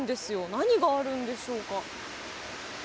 何があるんでしょうか？